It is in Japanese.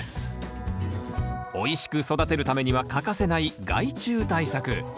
おいしく育てるためには欠かせない害虫対策。